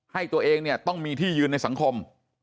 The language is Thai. ให้ตัวเองเนี่ยต้องมีที่ยืนในสังคม